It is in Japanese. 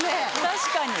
確かに。